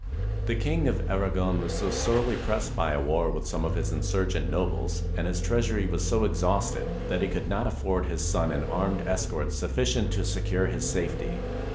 The King of Aragon was so sorely pressed by a war with some of his insurgent nobles, and his treasury was so ex hausted, that he could not afford his son an armed escort sufi&cient to secure his safety.